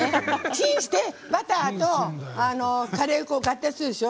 チンして、バターとカレー粉合体するでしょ。